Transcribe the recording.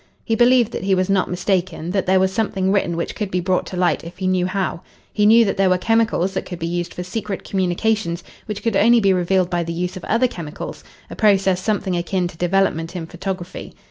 He believed that he was not mistaken, that there was something written which could be brought to light if he knew how. He knew that there were chemicals that could be used for secret communications which could only be revealed by the use of other chemicals a process something akin to development in photography.